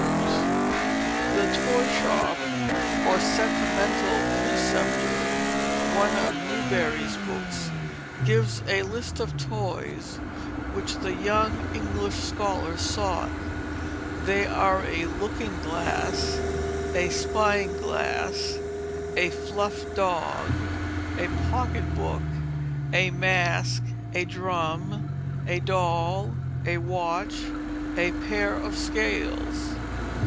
[Illustration: An Old Doll] The Toy Shop or Sentimental Preceptor, one of Newbery's books, gives a list of toys which the young English scholar sought; they are a looking glass, a "spying glass," a "fluffed dog," a pocket book, a mask, a drum, a doll, a watch, a pair of scales.